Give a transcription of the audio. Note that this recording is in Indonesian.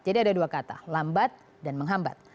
jadi ada dua kata lambat dan menghambat